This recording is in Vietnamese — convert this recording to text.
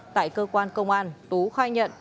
tại cơ quan công an tú khoai nhận